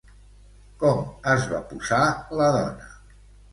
Com es va posar la dona?